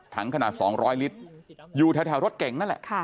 ถังขนาดสองร้อยลิตรอยู่ทะทะรถเก๋งนั่นแหละ